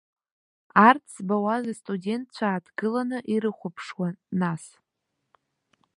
Арҭ збауаз астудентцәа ааҭгыланы ирыхәаԥшуан, нас.